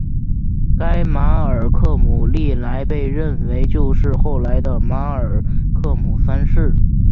该马尔科姆历来被认为就是后来的马尔科姆三世。